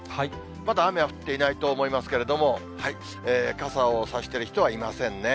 まだ雨は降っていないと思いますけれども、傘を差してる人はいませんね。